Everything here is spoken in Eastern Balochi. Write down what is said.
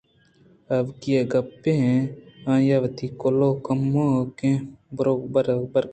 ابکہی گپےّ ؟آئیءَ وتی کلاہ کموکیں بروبرکُت